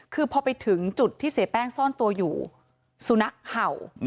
คือพอไปถึงจุดที่เสียแป้งซ่อนตัวอยู่สุนัขเห่า